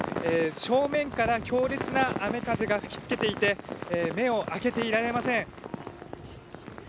正面から強烈な雨風が吹き付けていて目を開けていられません。